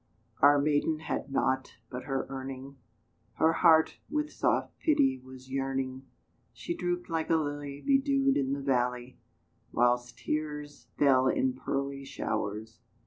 Our maiden had nought but her earning Her heart with soft pity was yearning; She drooped like a lily Bedewed in the valley, Whilst tears fell in pearly showers.